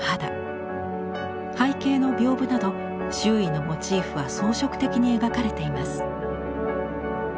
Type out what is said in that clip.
背景の屏風など周囲のモチーフは装飾的に描かれています。